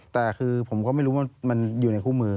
แต่คือผมก็ไม่รู้ว่ามันอยู่ในคู่มือ